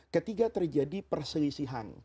ketiga terjadi perselisihan